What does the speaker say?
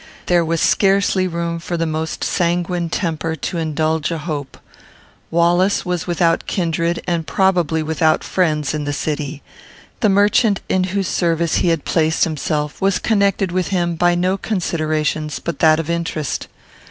There was scarcely room for the most sanguine temper to indulge a hope. Wallace was without kindred, and probably without friends, in the city. The merchant in whose service he had placed himself was connected with him by no considerations but that of interest.